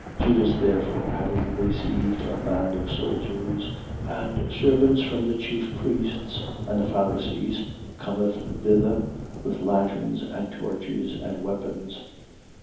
18:3. Judas therefore having received a band of soldiers and servants from the chief priests and the Pharisees, cometh thither with lanterns and torches and weapons.